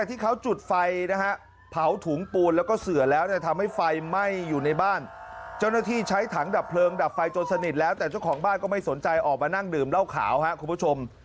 ออกมานั่งดื่มเล่าข่าวครับคุณผู้ชม